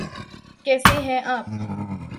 کیسے ہیں آپ؟